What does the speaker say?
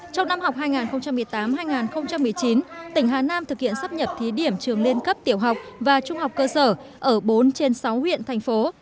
trong năm học hai nghìn một mươi tám hai nghìn một mươi chín tỉnh hà nam thực hiện sắp nhập thí điểm trường liên cấp tiểu học và trung học cơ sở ở bốn trên sáu huyện thành phố